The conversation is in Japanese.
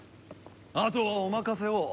あとはお任せを。